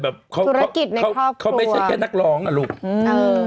ธุรกิจในครอบครัวเค้าไม่ใช่แค่นักรองอะลูกอืมเออ